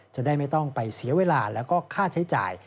จะได้ไม่ต้องไปเสียเวลาแล้วก็ค่าใช้จ่าย